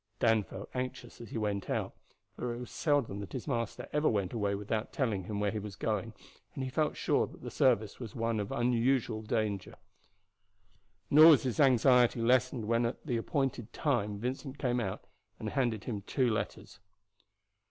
Dan felt anxious as he went out, for it was seldom that his master ever went away without telling him where he was going, and he felt sure that the service was one of unusual danger; nor was his anxiety lessened when at the appointed time Vincent came out and handed him two letters.